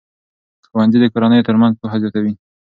ښوونځي د کورنیو ترمنځ پوهه زیاتوي.